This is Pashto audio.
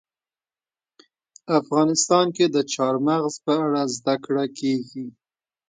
افغانستان کې د چار مغز په اړه زده کړه کېږي.